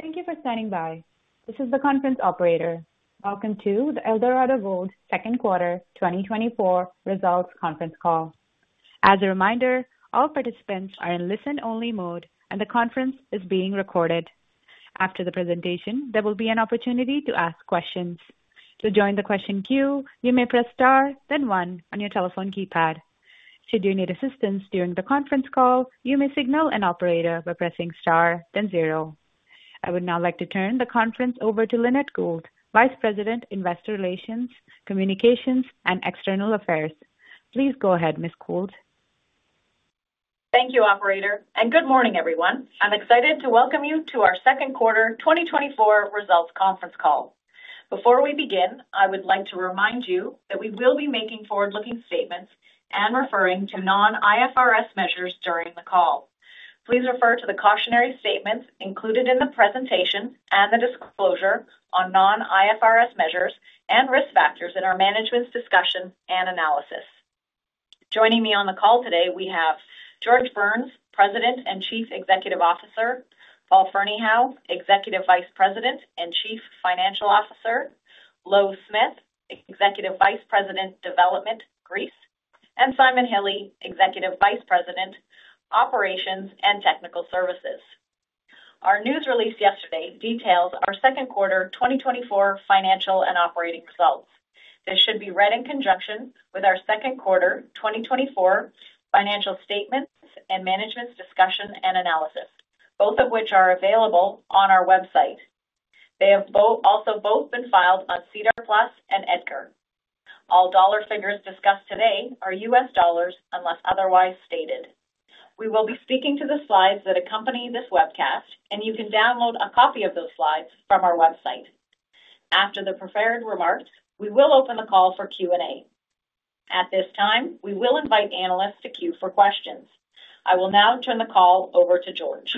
Thank you for standing by. This is the conference operator. Welcome to the Eldorado Gold Second Quarter 2024 Results Conference Call. As a reminder, all participants are in listen-only mode, and the conference is being recorded. After the presentation, there will be an opportunity to ask questions. To join the question queue, you may press star, then one, on your telephone keypad. Should you need assistance during the conference call, you may signal an operator by pressing star, then zero. I would now like to turn the conference over to Lynette Gould, Vice President, Investor Relations, Communications, and External Affairs. Please go ahead, Ms. Gould. Thank you, Operator, and good morning, everyone. I'm excited to welcome you to our Second Quarter 2024 Results Conference Call. Before we begin, I would like to remind you that we will be making forward-looking statements and referring to non-IFRS measures during the call. Please refer to the cautionary statements included in the presentation and the disclosure on non-IFRS measures and risk factors in our management's discussion and analysis. Joining me on the call today, we have George Burns, President and Chief Executive Officer, Paul Ferneyhough, Executive Vice President and Chief Financial Officer, Louw Smith, Executive Vice President, Development, Greece, and Simon Hille, Executive Vice President, Operations and Technical Services. Our news release yesterday details our Second Quarter 2024 financial and operating results. This should be read in conjunction with our Second Quarter 2024 financial statements and management's discussion and analysis, both of which are available on our website. They have also both been filed on SEDAR+ and EDGAR. All dollar figures discussed today are U.S. dollars unless otherwise stated. We will be speaking to the slides that accompany this webcast, and you can download a copy of those slides from our website. After the prepared remarks, we will open the call for Q&A. At this time, we will invite analysts to queue for questions. I will now turn the call over to George.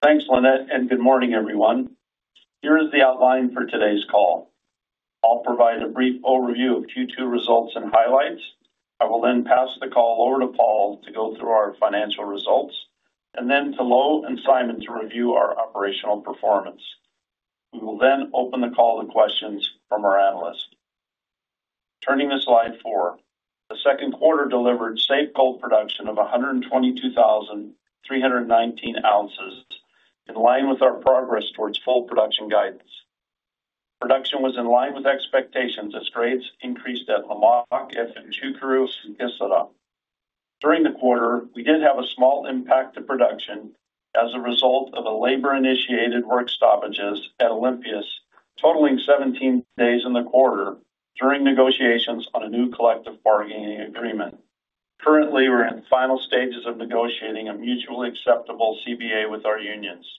Thanks, Lynette, and good morning, everyone. Here is the outline for today's call. I'll provide a brief overview of Q2 results and highlights. I will then pass the call over to Paul to go through our financial results, and then to Louw and Simon to review our operational performance. We will then open the call to questions from our analysts. Turning to slide four, the second quarter delivered safe gold production of 122,319 ounces, in line with our progress towards full production guidance. Production was in line with expectations as grades increased at Lamaque, Efemçukuru, and Kışladağ. During the quarter, we did have a small impact to production as a result of labor-initiated work stoppages at Olympias, totaling 17 days in the quarter during negotiations on a new collective bargaining agreement. Currently, we're in the final stages of negotiating a mutually acceptable CBA with our unions.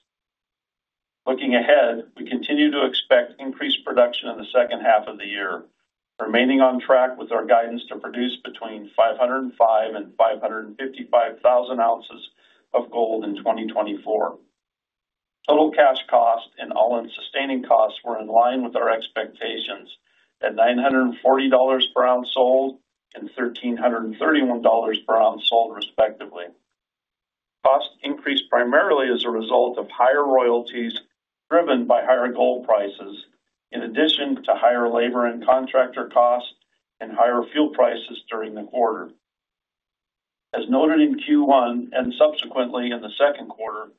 Looking ahead, we continue to expect increased production in the second half of the year, remaining on track with our guidance to produce between 505,000 and 555,000 ounces of gold in 2024. Total cash cost and all-in sustaining costs were in line with our expectations at $940 per ounce sold and $1,331 per ounce sold, respectively. Costs increased primarily as a result of higher royalties driven by higher gold prices, in addition to higher labor and contractor costs and higher fuel prices during the quarter. As noted in Q1 and subsequently in the second quarter,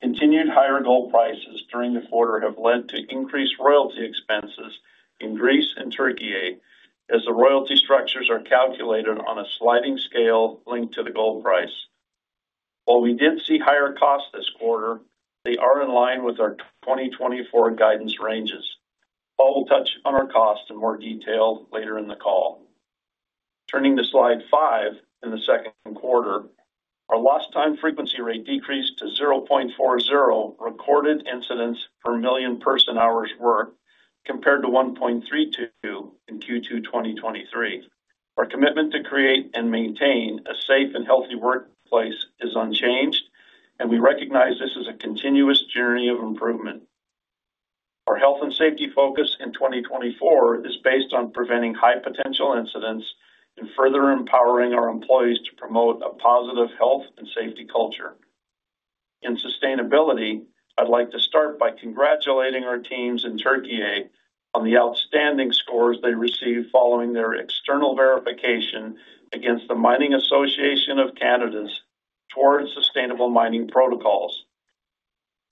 continued higher gold prices during the quarter have led to increased royalty expenses in Greece and Türkiye, as the royalty structures are calculated on a sliding scale linked to the gold price. While we did see higher costs this quarter, they are in line with our 2024 guidance ranges. Paul will touch on our costs in more detail later in the call. Turning to slide five in the second quarter, our lost-time frequency rate decreased to 0.40 recorded incidents per million person-hours work, compared to 1.32 in Q2 2023. Our commitment to create and maintain a safe and healthy workplace is unchanged, and we recognize this is a continuous journey of improvement. Our health and safety focus in 2024 is based on preventing high-potential incidents and further empowering our employees to promote a positive health and safety culture. In sustainability, I'd like to start by congratulating our teams in Türkiye on the outstanding scores they received following their external verification against the Mining Association of Canada's Towards Sustainable Mining Protocols.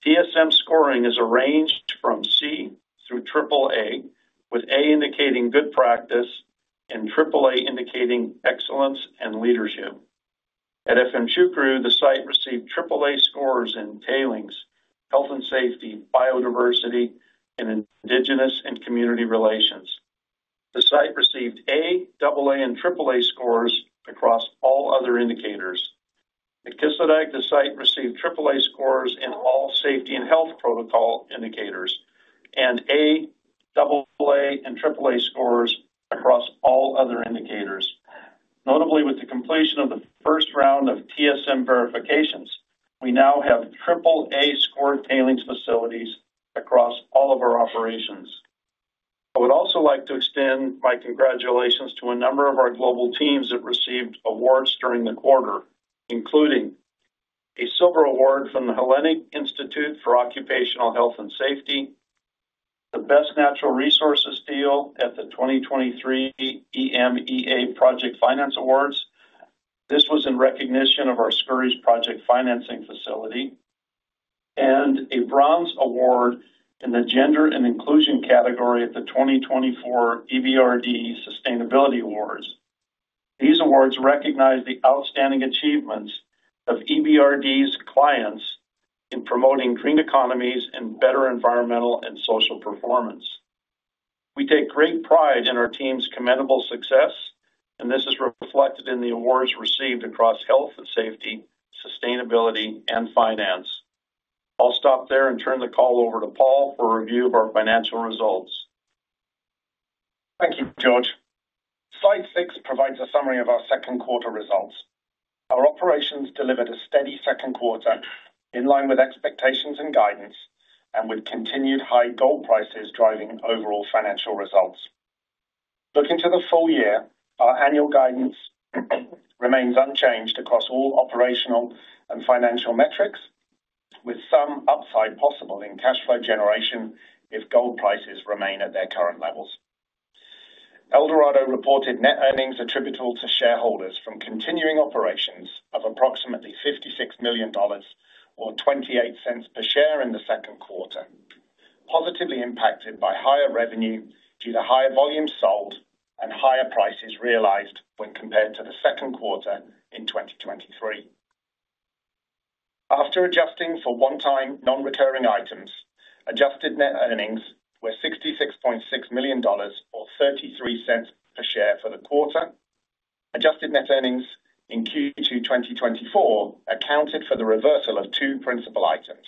TSM scoring is arranged from C through AAA, with A indicating good practice and AAA indicating excellence and leadership. At Efemçukuru, the site received AAA scores in tailings, health and safety, biodiversity, and indigenous and community relations. The site received A, AA, and AAA scores across all other indicators. At Kışladağ, the site received AAA scores in all safety and health protocol indicators, and A, AA, and AAA scores across all other indicators. Notably, with the completion of the first round of TSM verifications, we now have AAA-scored tailings facilities across all of our operations. I would also like to extend my congratulations to a number of our global teams that received awards during the quarter, including a silver award from the Hellenic Institute for Occupational Health and Safety, the Best Natural Resources Deal at the 2023 EMEA Project Finance Awards. This was in recognition of our Skouries Project Financing Facility, and a bronze award in the Gender and Inclusion category at the 2024 EBRD Sustainability Awards. These awards recognize the outstanding achievements of EBRD's clients in promoting green economies and better environmental and social performance. We take great pride in our team's commendable success, and this is reflected in the awards received across health and safety, sustainability, and finance. I'll stop there and turn the call over to Paul for a review of our financial results. Thank you, George. Slide six provides a summary of our second quarter results. Our operations delivered a steady second quarter in line with expectations and guidance, and with continued high gold prices driving overall financial results. Looking to the full year, our annual guidance remains unchanged across all operational and financial metrics, with some upside possible in cash flow generation if gold prices remain at their current levels. Eldorado reported net earnings attributable to shareholders from continuing operations of approximately $56 million, or $0.28 per share in the second quarter, positively impacted by higher revenue due to higher volumes sold and higher prices realized when compared to the second quarter in 2023. After adjusting for one-time non-recurring items, adjusted net earnings were $66.6 million, or $0.33 per share for the quarter. Adjusted net earnings in Q2 2024 accounted for the reversal of two principal items.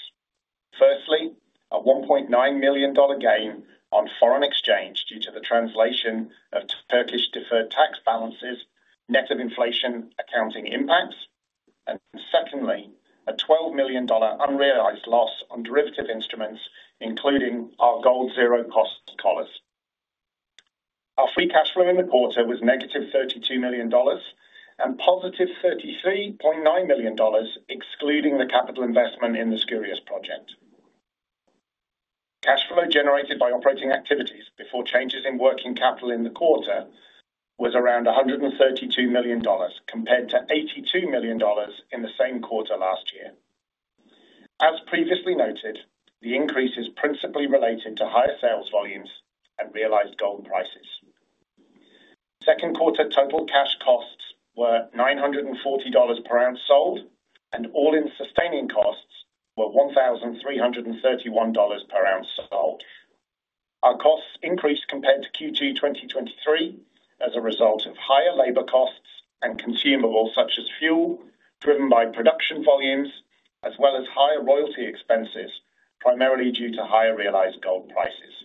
Firstly, a $1.9 million gain on foreign exchange due to the translation of Turkish deferred tax balances net of inflation accounting impacts, and secondly, a $12 million unrealized loss on derivative instruments, including our gold zero-cost collars. Our free cash flow in the quarter was negative $32 million and positive $33.9 million, excluding the capital investment in the Skouries project. Cash flow generated by operating activities before changes in working capital in the quarter was around $132 million, compared to $82 million in the same quarter last year. As previously noted, the increase is principally related to higher sales volumes and realized gold prices. Second quarter total cash costs were $940 per ounce sold, and all-in sustaining costs were $1,331 per ounce sold. Our costs increased compared to Q2 2023 as a result of higher labor costs and consumables such as fuel, driven by production volumes, as well as higher royalty expenses, primarily due to higher realized gold prices.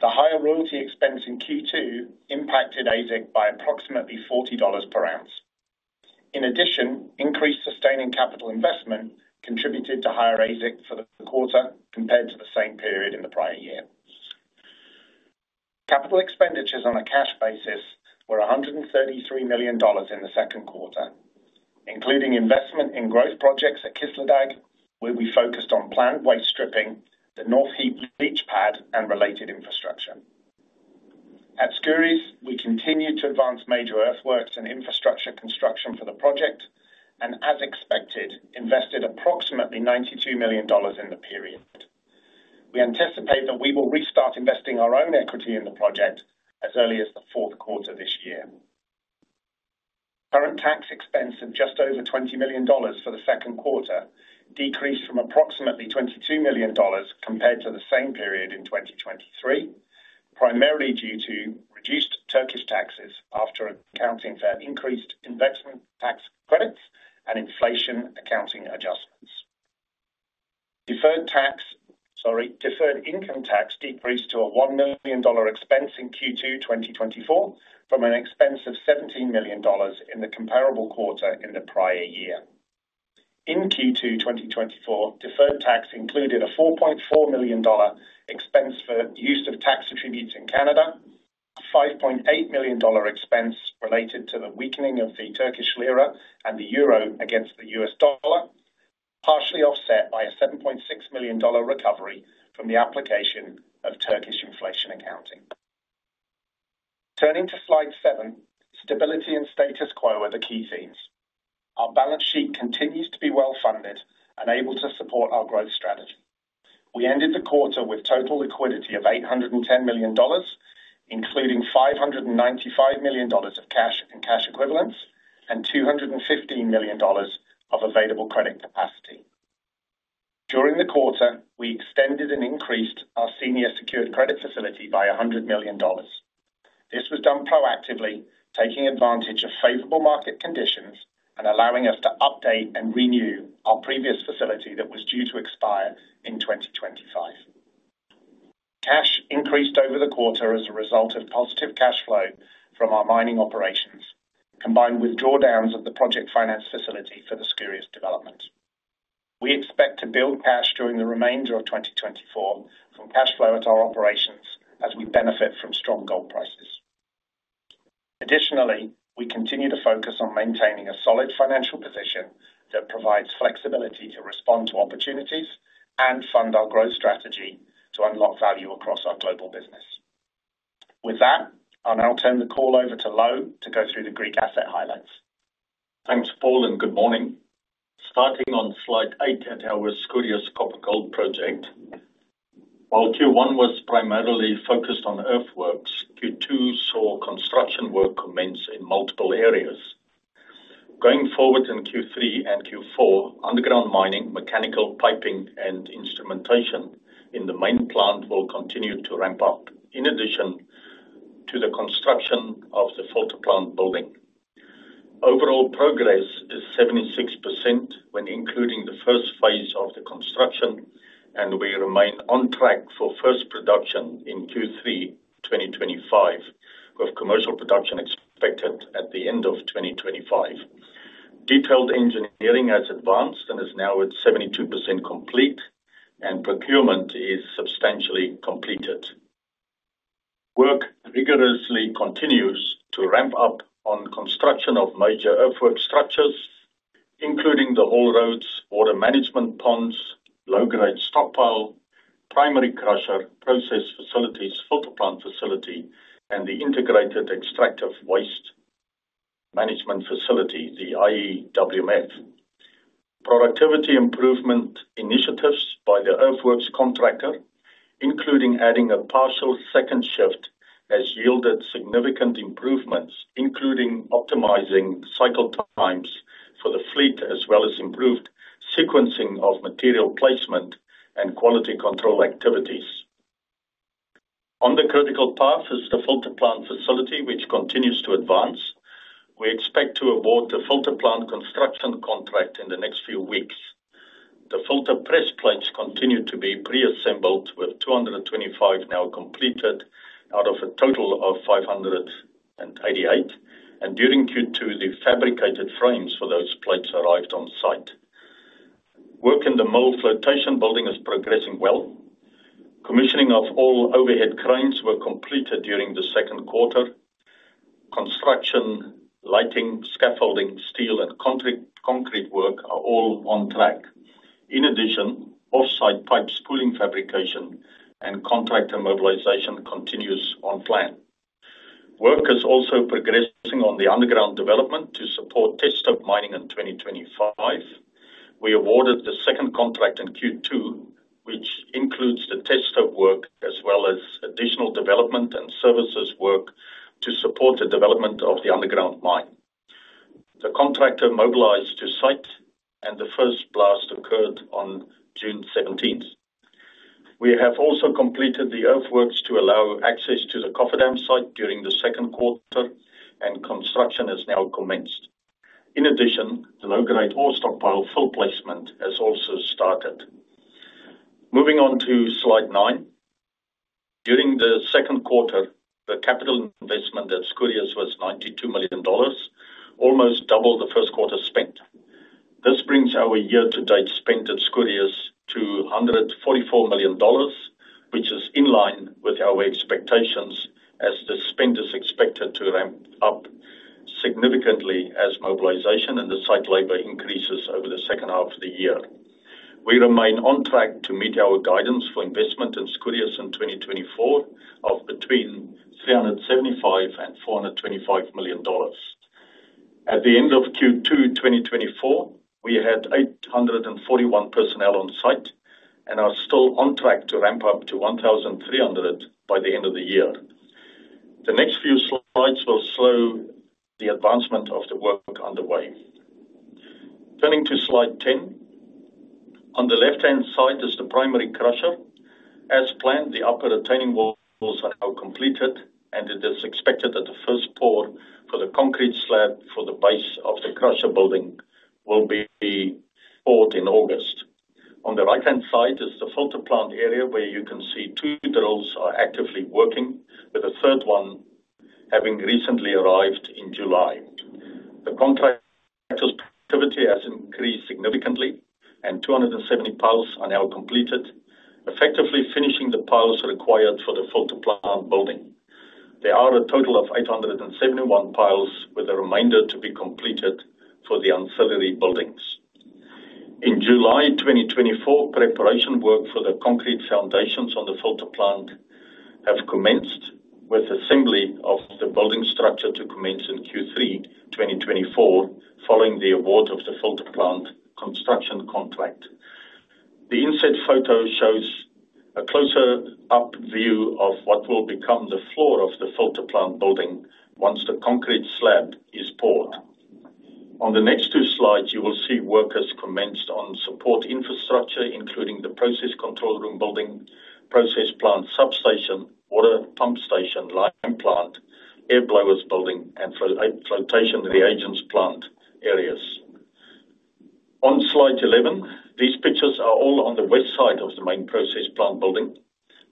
The higher royalty expense in Q2 impacted AISC by approximately $40 per ounce. In addition, increased sustaining capital investment contributed to higher AISC for the quarter compared to the same period in the prior year. Capital expenditures on a cash basis were $133 million in the second quarter, including investment in growth projects at Kışladağ, where we focused on planned waste stripping, the North Heap Leach pad, and related infrastructure. At Skouries, we continued to advance major earthworks and infrastructure construction for the project, and as expected, invested approximately $92 million in the period. We anticipate that we will restart investing our own equity in the project as early as the fourth quarter this year. Current tax expense of just over $20 million for the second quarter decreased from approximately $22 million compared to the same period in 2023, primarily due to reduced Turkish taxes after accounting for increased investment tax credits and inflation accounting adjustments. Deferred income tax decreased to a $1 million expense in Q2 2024 from an expense of $17 million in the comparable quarter in the prior year. In Q2 2024, deferred tax included a $4.4 million expense for use of tax attributes in Canada, a $5.8 million expense related to the weakening of the Turkish lira and the Euro against the U.S. dollar, partially offset by a $7.6 million recovery from the application of Turkish inflation accounting. Turning to slide seven, stability and status quo are the key themes. Our balance sheet continues to be well-funded and able to support our growth strategy. We ended the quarter with total liquidity of $810 million, including $595 million of cash and cash equivalents, and $215 million of available credit capacity. During the quarter, we extended and increased our senior secured credit facility by $100 million. This was done proactively, taking advantage of favorable market conditions and allowing us to update and renew our previous facility that was due to expire in 2025. Cash increased over the quarter as a result of positive cash flow from our mining operations, combined with drawdowns of the project finance facility for the Skouries' development. We expect to build cash during the remainder of 2024 from cash flow at our operations as we benefit from strong gold prices. Additionally, we continue to focus on maintaining a solid financial position that provides flexibility to respond to opportunities and fund our growth strategy to unlock value across our global business. With that, I'll now turn the call over to Louw to go through the Greek asset highlights. Thanks, Paul, and good morning. Starting on slide eight, I'll tell you about the Skouries copper-gold project. While Q1 was primarily focused on earthworks, Q2 saw construction work commence in multiple areas. Going forward in Q3 and Q4, underground mining, mechanical piping, and instrumentation in the main plant will continue to ramp up, in addition to the construction of the filter plant building. Overall progress is 76% when including the first phase of the construction, and we remain on track for first production in Q3 2025, with commercial production expected at the end of 2025. Detailed engineering has advanced and is now at 72% complete, and procurement is substantially completed. Work rigorously continues to ramp up on construction of major earthwork structures, including the haul roads, water management ponds, low-grade stockpile, primary crusher, process facilities, filter plant facility, and the integrated extractive waste management facility, the IEWM. Productivity improvement initiatives by the earthworks contractor, including adding a partial second shift, have yielded significant improvements, including optimizing cycle times for the fleet, as well as improved sequencing of material placement and quality control activities. On the critical path is the filter plant facility, which continues to advance. We expect to award the filter plant construction contract in the next few weeks. The filter press plates continue to be pre-assembled, with 225 now completed out of a total of 588, and during Q2, the fabricated frames for those plates arrived on site. Work in the mill flotation building is progressing well. Commissioning of all overhead cranes was completed during the second quarter. Construction, lighting, scaffolding, steel, and concrete work are all on track. In addition, off-site pipe spooling fabrication and contractor mobilization continues on plan. Work is also progressing on the underground development to support test mining in 2025. We awarded the second contract in Q2, which includes the test work, as well as additional development and services work to support the development of the underground mine. The contractor mobilized to site, and the first blast occurred on June 17th. We have also completed the earthworks to allow access to the cofferdam site during the second quarter, and construction has now commenced. In addition, the low-grade ore stockpile fill placement has also started. Moving on to slide nine, during the second quarter, the capital investment at Skouries was $92 million, almost double the first quarter spent. This brings our year-to-date spend at Skouries to $144 million, which is in line with our expectations as the spend is expected to ramp up significantly as mobilization and the site labor increases over the second half of the year. We remain on track to meet our guidance for investment in Skouries in 2024 of between $375 and $425 million. At the end of Q2 2024, we had 841 personnel on site and are still on track to ramp up to 1,300 by the end of the year. The next few slides will show the advancement of the work underway. Turning to slide 10, on the left-hand side is the primary crusher. As planned, the upper retaining walls are now completed, and it is expected that the first pour for the concrete slab for the base of the crusher building will be poured in August. On the right-hand side is the filter plant area where you can see two drills are actively working, with the third one having recently arrived in July. The contractor's productivity has increased significantly, and 270 piles are now completed, effectively finishing the piles required for the filter plant building. There are a total of 871 piles, with a remainder to be completed for the ancillary buildings. In July 2024, preparation work for the concrete foundations on the filter plant has commenced, with assembly of the building structure to commence in Q3 2024 following the award of the filter plant construction contract. The inset photo shows a close-up view of what will become the floor of the filter plant building once the concrete slab is poured. On the next two slides, you will see workers commenced on support infrastructure, including the process control room building, process plant substation, water pump station, lime plant, air blowers building, and flotation reagents plant areas. On slide 11, these pictures are all on the west side of the main process plant building.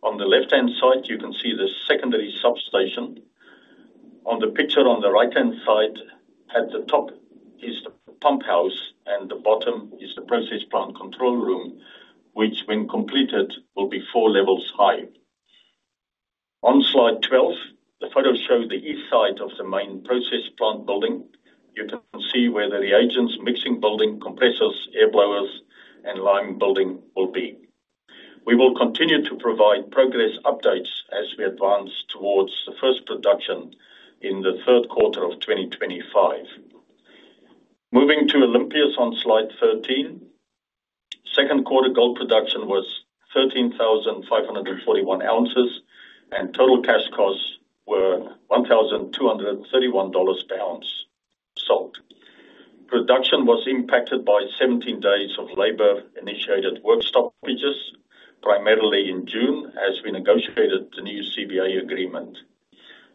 On the left-hand side, you can see the secondary substation. On the picture on the right-hand side, at the top is the pump house, and the bottom is the process plant control room, which, when completed, will be four levels high. On slide 12, the photo shows the east side of the main process plant building. You can see where the reagents, mixing building, compressors, air blowers, and lime building will be. We will continue to provide progress updates as we advance towards the first production in the third quarter of 2025. Moving to Olympias on slide 13, second quarter gold production was 13,541 ounces, and total cash costs were $1,231 per ounce. Production was impacted by 17 days of labor-initiated work stoppages, primarily in June, as we negotiated the new CBA agreement.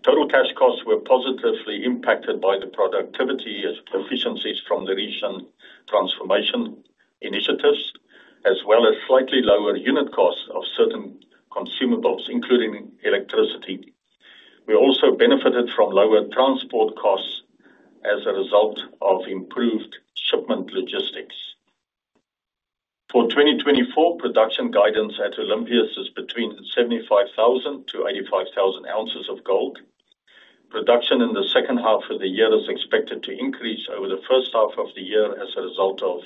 Total cash costs were positively impacted by the productivity efficiencies from the region transformation initiatives, as well as slightly lower unit costs of certain consumables, including electricity. We also benefited from lower transport costs as a result of improved shipment logistics. For 2024, production guidance at Olympias is between 75,000-85,000 ounces of gold. Production in the second half of the year is expected to increase over the first half of the year as a result of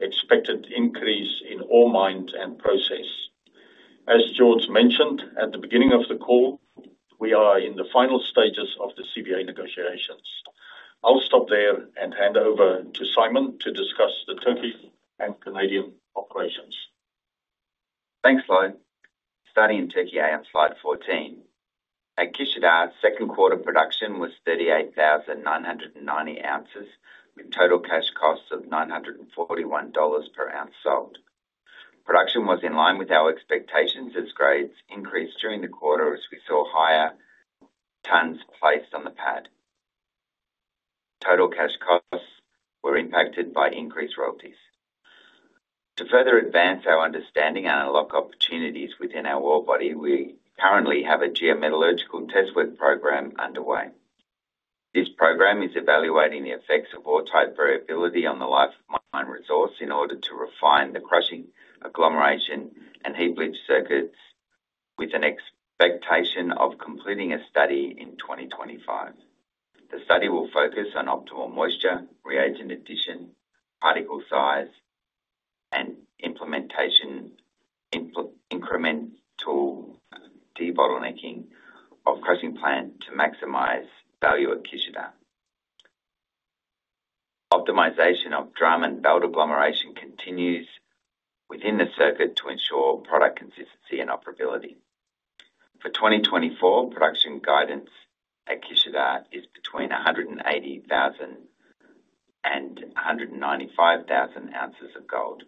expected increase in ore mines and process. As George mentioned at the beginning of the call, we are in the final stages of the CBA negotiations. I'll stop there and hand over to Simon to discuss the Turkish and Canadian operations. Thanks, Louw. Starting in Türkiye on slide 14, at Kışladağ, second quarter production was 38,990 ounces, with total cash costs of $941 per ounce sold. Production was in line with our expectations as grades increased during the quarter, as we saw higher tons placed on the pad. Total cash costs were impacted by increased royalties. To further advance our understanding and unlock opportunities within our ore body, we currently have a geometallurgical test work program underway. This program is evaluating the effects of ore type variability on the life of mine resource in order to refine the crushing agglomeration and heap leach circuits, with an expectation of completing a study in 2025. The study will focus on optimal moisture, reagent addition, particle size, and implementation incremental debottlenecking of crushing plant to maximize value at Kışladağ. Optimization of drum and belt agglomeration continues within the circuit to ensure product consistency and operability. For 2024, production guidance at Kışladağ is between 180,000 and 195,000 ounces of gold.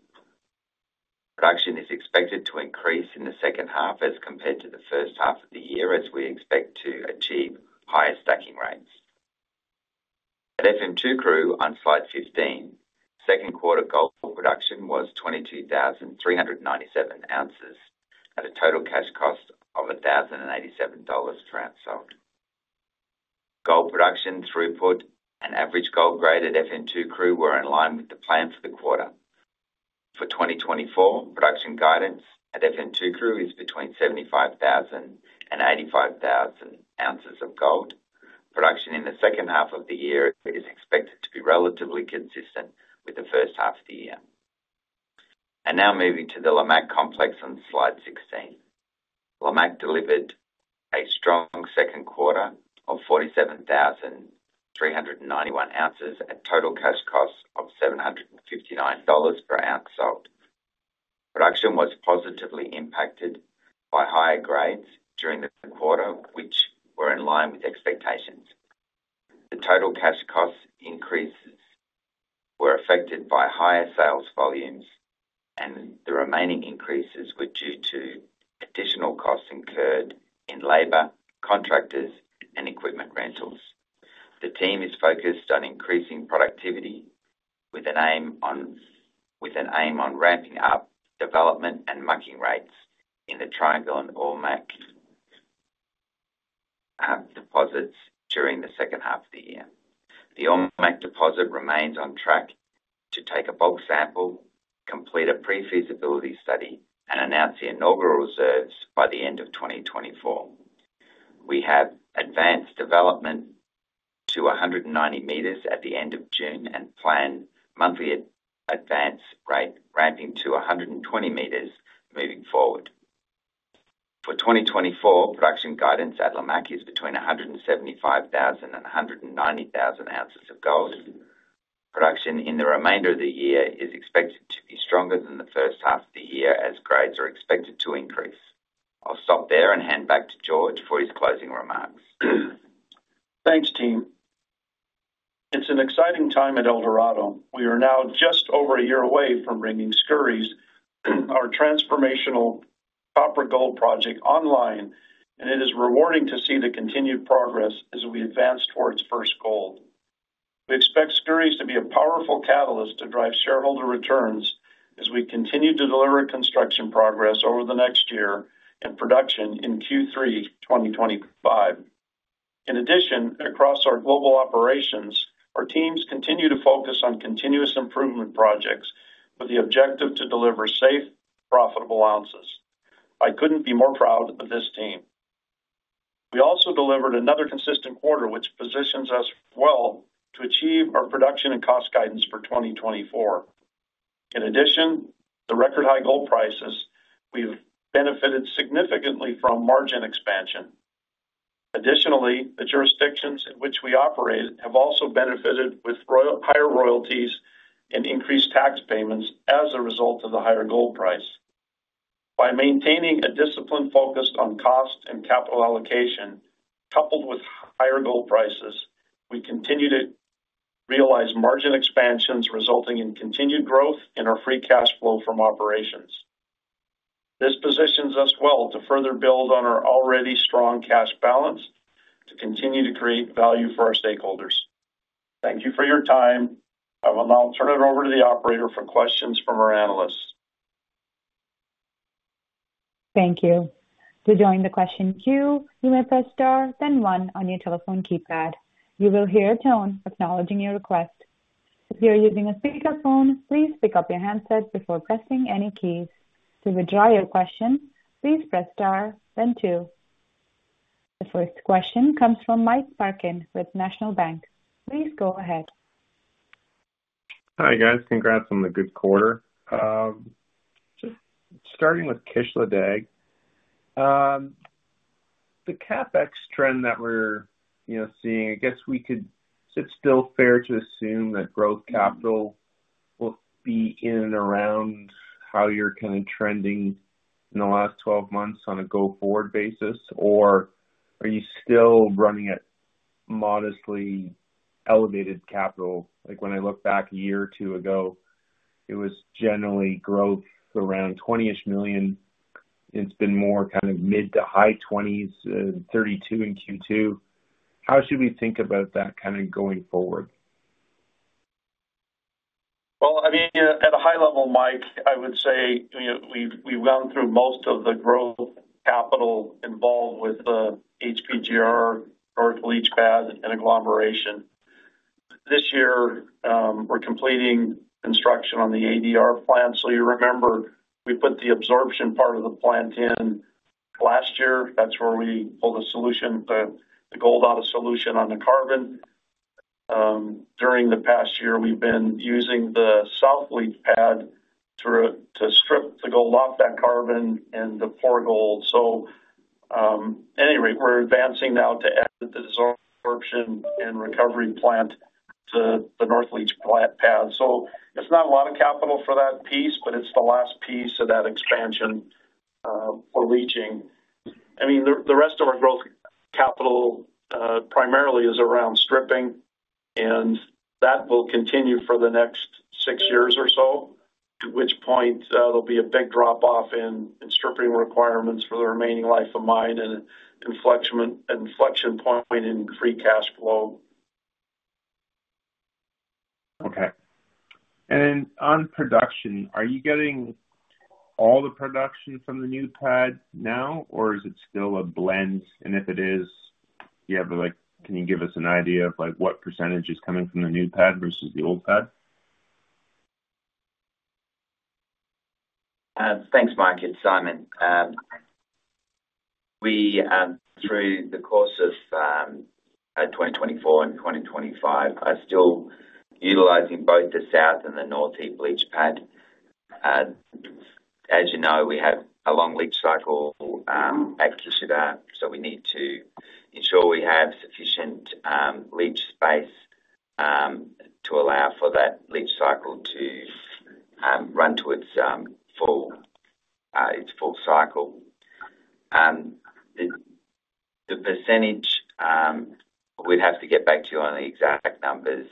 Production is expected to increase in the second half as compared to the first half of the year, as we expect to achieve higher stacking rates. At Efemçukuru on slide 15, second quarter gold production was 22,397 ounces at a total cash cost of $1,087 per ounce sold. Gold production, throughput, and average gold grade at Efemçukuru were in line with the plan for the quarter. For 2024, production guidance at Efemçukuru is between 75,000 and 85,000 ounces of gold. Production in the second half of the year is expected to be relatively consistent with the first half of the year. And now moving to the Lamaque Complex on slide 16, Lamaque delivered a strong second quarter of 47,391 ounces at total cash cost of $759 per ounce sold. Production was positively impacted by higher grades during the quarter, which were in line with expectations. The total cash cost increases were affected by higher sales volumes, and the remaining increases were due to additional costs incurred in labor, contractors, and equipment rentals. The team is focused on increasing productivity with an aim on ramping up development and mucking rates in the Triangle and Ormaque deposits during the second half of the year. The Ormaque deposit remains on track to take a bulk sample, complete a pre-feasibility study, and announce the inaugural reserves by the end of 2024. We have advanced development to 190 meters at the end of June and planned monthly advance rate ramping to 120 meters moving forward. For 2024, production guidance at Lamaque is between 175,000 and 190,000 ounces of gold. Production in the remainder of the year is expected to be stronger than the first half of the year as grades are expected to increase. I'll stop there and hand back to George for his closing remarks. Thanks, team. It's an exciting time at Eldorado. We are now just over a year away from bringing Skouries, our transformational copper gold project, online, and it is rewarding to see the continued progress as we advance towards first gold. We expect Skouries to be a powerful catalyst to drive shareholder returns as we continue to deliver construction progress over the next year and production in Q3 2025. In addition, across our global operations, our teams continue to focus on continuous improvement projects with the objective to deliver safe, profitable ounces. I couldn't be more proud of this team. We also delivered another consistent quarter, which positions us well to achieve our production and cost guidance for 2024. In addition, the record high gold prices. We've benefited significantly from margin expansion. Additionally, the jurisdictions in which we operate have also benefited with higher royalties and increased tax payments as a result of the higher gold price. By maintaining a discipline focused on cost and capital allocation, coupled with higher gold prices, we continue to realize margin expansions resulting in continued growth in our free cash flow from operations. This positions us well to further build on our already strong cash balance to continue to create value for our stakeholders. Thank you for your time. I'll now turn it over to the operator for questions from our analysts. Thank you. To join the question queue, you may press star, then one on your telephone keypad. You will hear a tone acknowledging your request. If you're using a speakerphone, please pick up your handset before pressing any keys. To withdraw your question, please press star, then two. The first question comes from Mike Parkin with National Bank Financial. Please go ahead. Hi guys. Congrats on the good quarter. Just starting with Kışladağ. The CapEx trend that we're seeing, I guess we could, is it still fair to assume that growth capital will be in and around how you're kind of trending in the last 12 months on a go-forward basis, or are you still running at modestly elevated capital? Like when I look back a year or two ago, it was generally growth around $20-ish million. It's been more kind of mid- to high-20s, $32 million in Q2. How should we think about that kind of going forward? Well, I mean, at a high level, Mike, I would say we've gone through most of the growth capital involved with the HPGR, North leach pad, and agglomeration. This year, we're completing construction on the ADR plant. So you remember we put the absorption part of the plant in last year. That's where we pulled a solution, the gold out of solution on the carbon. During the past year, we've been using the south leach pad to strip the gold off that carbon and the pour gold. So anyway, we're advancing now to add the absorption and recovery plant to the North leach pad. So it's not a lot of capital for that piece, but it's the last piece of that expansion we're reaching. I mean, the rest of our growth capital primarily is around stripping, and that will continue for the next 6 years or so, to which point there'll be a big drop-off in stripping requirements for the remaining life of mine and inflection point in free cash flow. Okay. And then on production, are you getting all the production from the new pad now, or is it still a blend? And if it is, can you give us an idea of what percentage is coming from the new pad versus the old pad? Thanks, Mike and Simon. Through the course of 2024 and 2025, I'm still utilizing both the south and the north heap leach pad. As you know, we have a long leach cycle at Kışladağ, so we need to ensure we have sufficient leach space to allow for that leach cycle to run to its full cycle. The percentage, we'd have to get back to you on the exact numbers,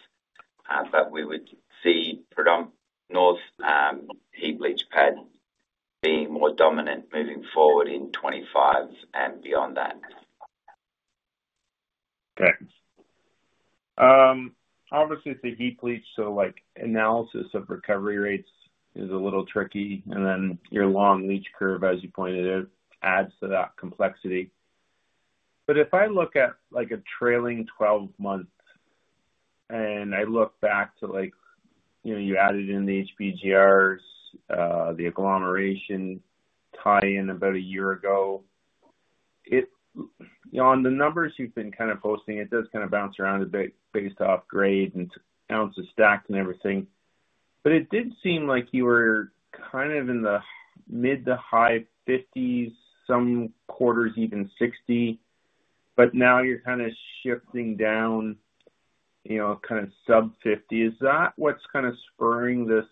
but we would see north heap leach pad being more dominant moving forward in 2025 and beyond that. Okay. Obviously, it's a heap leach, so analysis of recovery rates is a little tricky. And then your long leach curve, as you pointed out, adds to that complexity. But if I look at a trailing 12 months and I look back to you added in the HPGRs, the agglomeration tie-in about a year ago, on the numbers you've been kind of posting, it does kind of bounce around a bit based off grade and ounces stacked and everything. But it did seem like you were kind of in the mid-to-high 50s, some quarters even 60, but now you're kind of shifting down kind of sub-50. Is that what's kind of spurring this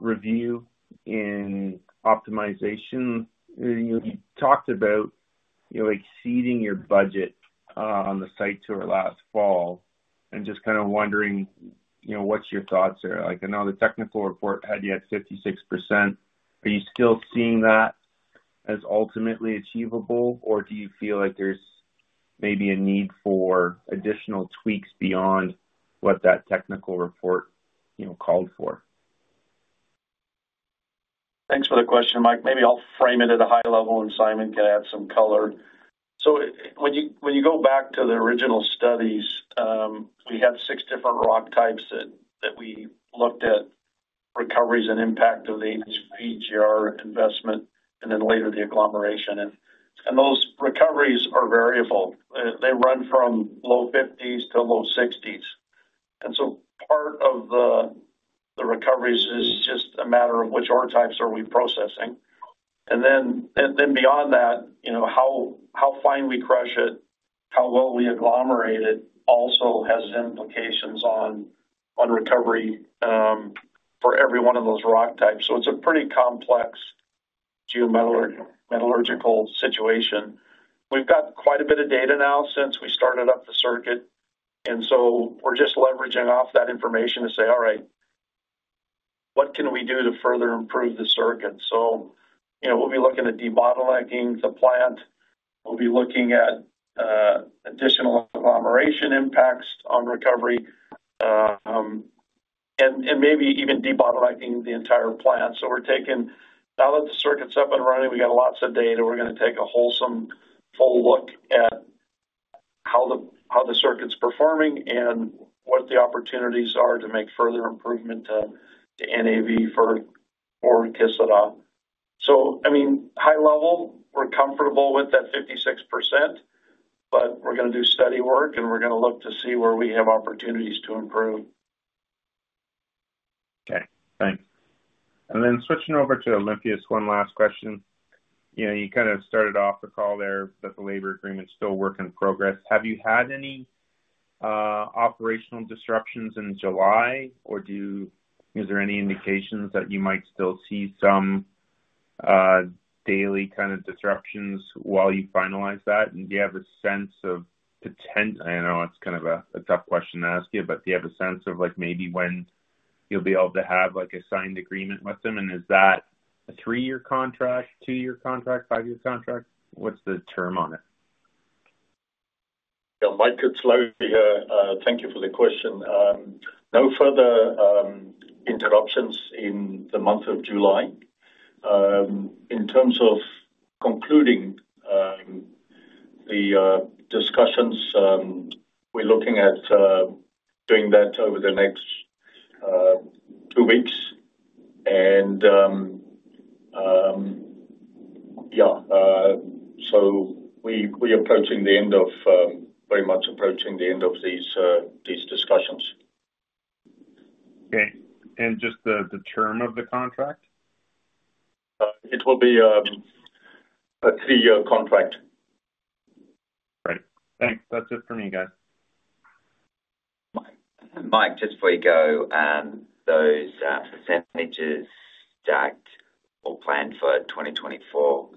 review in optimization? You talked about exceeding your budget on the site tour last fall and just kind of wondering what your thoughts are. I know the technical report had yet 56%. Are you still seeing that as ultimately achievable, or do you feel like there's maybe a need for additional tweaks beyond what that technical report called for? Thanks for the question, Mike. Maybe I'll frame it at a high level and Simon can add some color. So when you go back to the original studies, we had six different rock types that we looked at, recoveries and impact of the HPGR investment, and then later the agglomeration. And those recoveries are variable. They run from low-50s to low-60s. And so part of the recoveries is just a matter of which ore types are we processing. And then beyond that, how fine we crush it, how well we agglomerate it also has implications on recovery for every one of those rock types. So it's a pretty complex geometallurgical situation. We've got quite a bit of data now since we started up the circuit. And so we're just leveraging off that information to say, "All right, what can we do to further improve the circuit?" So we'll be looking at debottlenecking the plant. We'll be looking at additional agglomeration impacts on recovery and maybe even debottlenecking the entire plant. So we're taking now that the circuit's up and running, we got lots of data. We're going to take a wholesome full look at how the circuit's performing and what the opportunities are to make further improvement to NAV for Kışladağ. So I mean, high level, we're comfortable with that 56%, but we're going to do study work and we're going to look to see where we have opportunities to improve. Okay. Thanks. And then switching over to Olympias, one last question. You kind of started off the call there that the labor agreement's still a work in progress. Have you had any operational disruptions in July, or is there any indications that you might still see some daily kind of disruptions while you finalize that? And do you have a sense of—I know it's kind of a tough question to ask you, but do you have a sense of maybe when you'll be able to have a signed agreement with them? And is that a three-year contract, two-year contract, five-year contract? What's the term on it? Mike is Louw here. Thank you for the question. No further interruptions in the month of July. In terms of concluding the discussions, we're looking at doing that over the next two weeks. And yeah, so we're approaching the end of, very much approaching the end of these discussions. Okay. And just the term of the contract? It will be a 3-year contract. Great. Thanks. That's it for me, guys. Mike, just before you go, those percentages stacked or planned for 2024,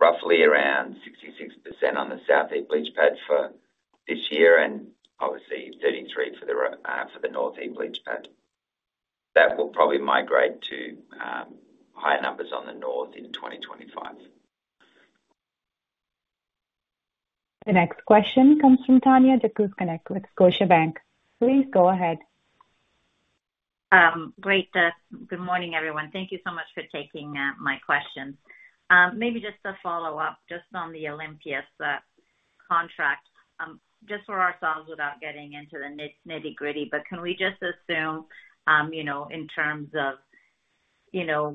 roughly around 66% on the south heap leach pad for this year and obviously 33% for the north heap leach pad. That will probably migrate to higher numbers on the north in 2025. The next question comes from Tanya Jakusconek with Scotiabank. Please go ahead. Great. Good morning, everyone. Thank you so much for taking my questions. Maybe just a follow-up, just on the Olympias contract, just for ourselves without getting into the nitty-gritty, but can we just assume in terms of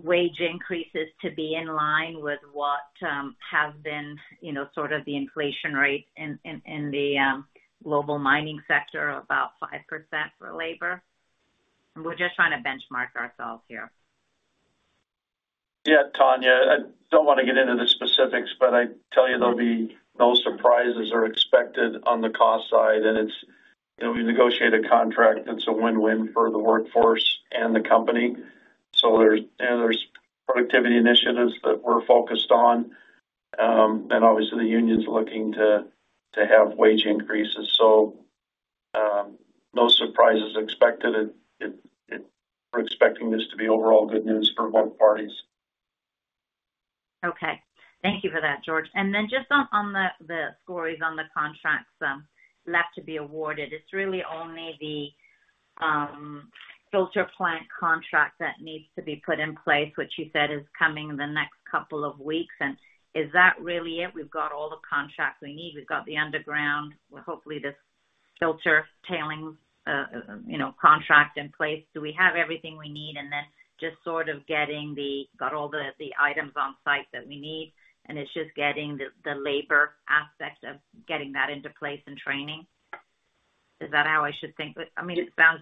wage increases to be in line with what has been sort of the inflation rate in the global mining sector, about 5% for labor? We're just trying to benchmark ourselves here. Yeah, Tanya. I don't want to get into the specifics, but I tell you there'll be no surprises are expected on the cost side. And we've negotiated a contract that's a win-win for the workforce and the company. So there's productivity initiatives that we're focused on. And obviously, the union's looking to have wage increases. So no surprises expected. We're expecting this to be overall good news for both parties. Okay. Thank you for that, George. Then just on the Skouries on the contracts left to be awarded, it's really only the filter plant contract that needs to be put in place, which you said is coming in the next couple of weeks. Is that really it? We've got all the contracts we need. We've got the underground, hopefully this filter tailings contract in place. Do we have everything we need? And then just sort of got all the items on site that we need. And it's just getting the labor aspect of getting that into place and training. Is that how I should think? I mean, it sounds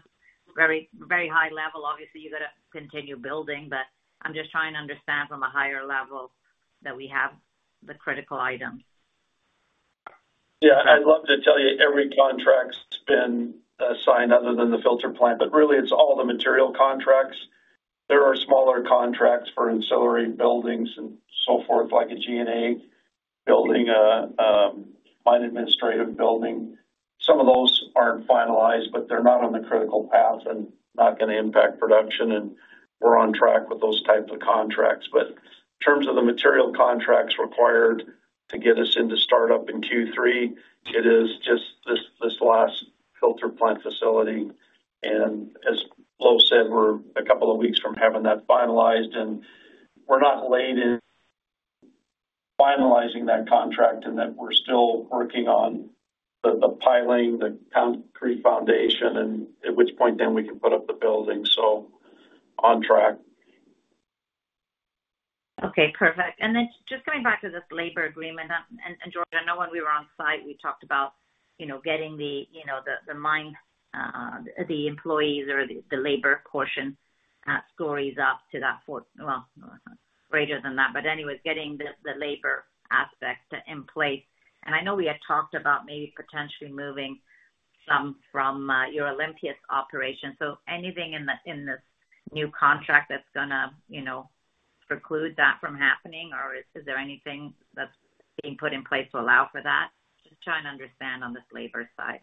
very high level. Obviously, you got to continue building, but I'm just trying to understand from a higher level that we have the critical items. Yeah. I'd love to tell you every contract's been signed other than the filter plant, but really it's all the material contracts. There are smaller contracts for ancillary buildings and so forth, like a G&A building, a mine administrative building. Some of those aren't finalized, but they're not on the critical path and not going to impact production. And we're on track with those types of contracts. But in terms of the material contracts required to get us into startup in Q3, it is just this last filter plant facility. And as Louw said, we're a couple of weeks from having that finalized. And we're not late in finalizing that contract in that we're still working on the piling, the concrete foundation, and at which point then we can put up the building. So on track. Okay. Perfect. And then just coming back to this labor agreement. And George, I know when we were on site, we talked about getting the mine, the employees, or the labor portion scores up to that four, well, greater than that. But anyways, getting the labor aspect in place. And I know we had talked about maybe potentially moving some from your Olympias operation. So anything in this new contract that's going to preclude that from happening, or is there anything that's being put in place to allow for that? Just trying to understand on this labor side.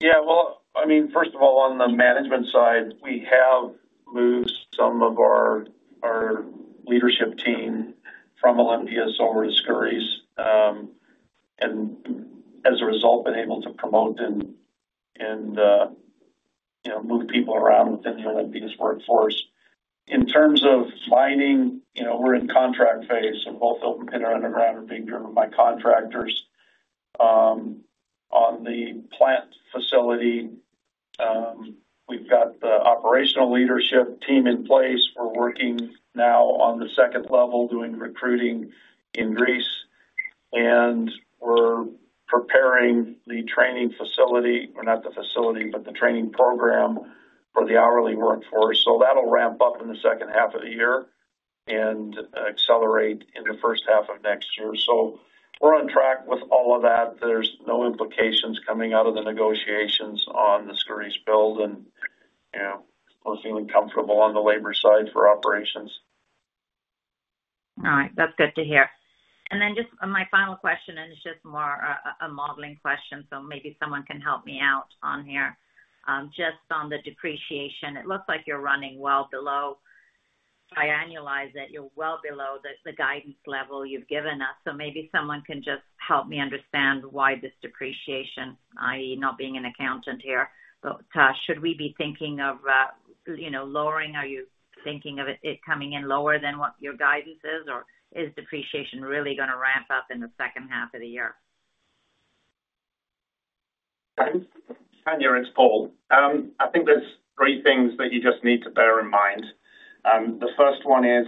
Yeah. Well, I mean, first of all, on the management side, we have moved some of our leadership team from Olympias over to Skouries. And as a result, been able to promote and move people around within the Olympias workforce. In terms of mining, we're in contract phase. So both open pit and underground are being driven by contractors. On, the plant facility, we've got the operational leadership team in place. We're working now on the second level doing recruiting in Greece. And we're preparing the training facility—or not the facility, but the training program for the hourly workforce. So that'll ramp up in the second half of the year and accelerate in the first half of next year. So we're on track with all of that. There's no implications coming out of the negotiations on the Skouries build. And we're feeling comfortable on the labor side for operations. All right. That's good to hear. And then just my final question, and it's just more a modeling question, so maybe someone can help me out on here. Just on the depreciation, it looks like you're running well below, I annualize it, you're well below the guidance level you've given us. So maybe someone can just help me understand why this depreciation, i.e., not being an accountant here, but should we be thinking of lowering? Are you thinking of it coming in lower than what your guidance is, or is depreciation really going to ramp up in the second half of the year? Tanya and Paul, I think there's three things that you just need to bear in mind. The first one is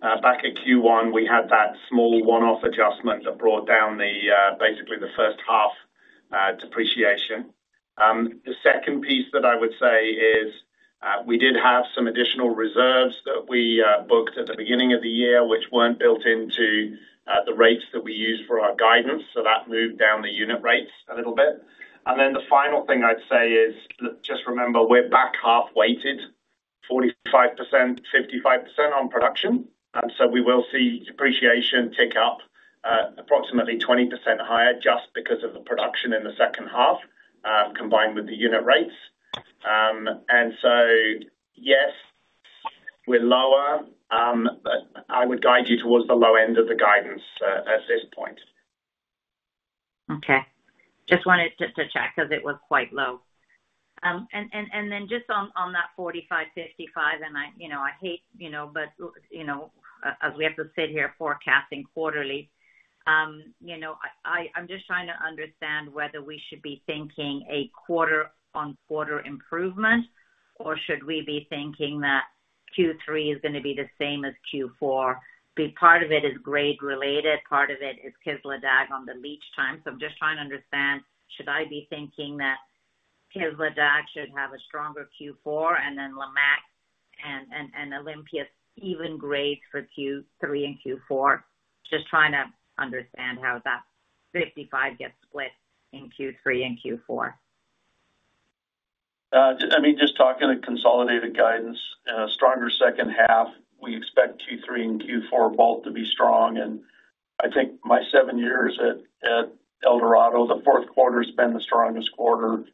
back at Q1, we had that small one-off adjustment that brought down basically the first half depreciation. The second piece that I would say is we did have some additional reserves that we booked at the beginning of the year, which weren't built into the rates that we use for our guidance. So that moved down the unit rates a little bit. And then the final thing I'd say is just remember we're back half-weighted, 45%, 55% on production. And so we will see depreciation tick up approximately 20% higher just because of the production in the second half combined with the unit rates. And so yes, we're lower, but I would guide you towards the low end of the guidance at this point. Okay. Just wanted to check because it was quite low. And then just on that 45, 55, and I hate, but as we have to sit here forecasting quarterly, I'm just trying to understand whether we should be thinking a quarter-on-quarter improvement, or should we be thinking that Q3 is going to be the same as Q4? Part of it is grade-related. Part of it is Kışladağ on the leach time. So I'm just trying to understand, should I be thinking that Kışladağ should have a stronger Q4, and then Lamaque and Olympias even grades for Q3 and Q4? Just trying to understand how that 55 gets split in Q3 and Q4. I mean, just talking of consolidated guidance, stronger second half, we expect Q3 and Q4 both to be strong. And I think my seven years at Eldorado, the fourth quarter has been the strongest quarter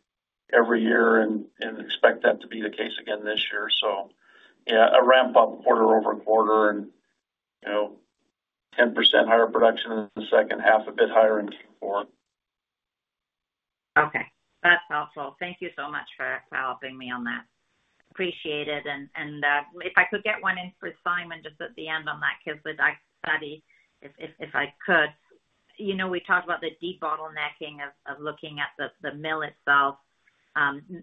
every year, and expect that to be the case again this year. So yeah, a ramp-up quarter-over-quarter and 10% higher production in the second half, a bit higher in Q4. Okay. That's helpful. Thank you so much for helping me on that. Appreciate it. And if I could get one in for Simon just at the end on that Kışladağ study, if I could. We talked about the debottlenecking of looking at the mill itself,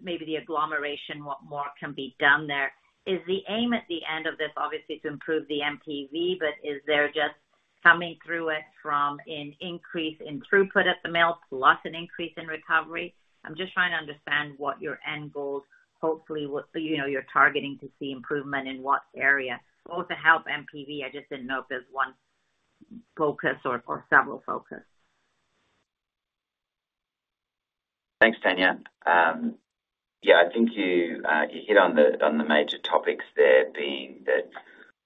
maybe the agglomeration, what more can be done there. Is the aim at the end of this obviously to improve the MPV, but is there just coming through it from an increase in throughput at the mill plus an increase in recovery? I'm just trying to understand what your end goal hopefully you're targeting to see improvement in what area, both to help MPV. I just didn't know if there's one focus or several focuses. Thanks, Tanya. Yeah, I think you hit on the major topics there being that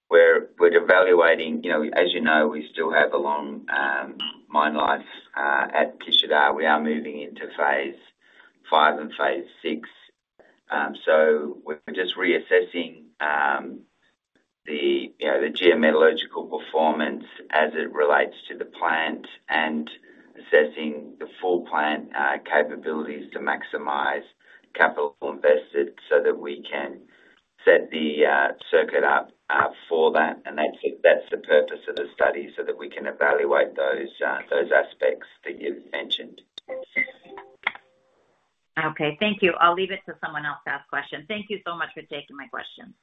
we're evaluating. As you know, we still have a long mine life at Kışladağ. We are moving into phase five and phase six. So we're just reassessing the geometallurgical performance as it relates to the plant and assessing the full plant capabilities to maximize capital invested so that we can set the circuit up for that. And that's the purpose of the study so that we can evaluate those aspects that you've mentioned. Okay. Thank you. I'll leave it to someone else to ask questions. Thank you so much for taking my questions.